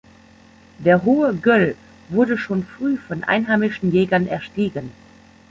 Der Hohe Göll wurde schon früh von einheimischen Jägern erstiegen.